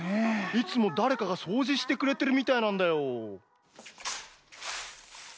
いつもだれかがそうじしてくれてるみたいなんだよ。